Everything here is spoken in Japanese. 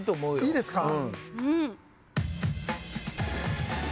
いいですか？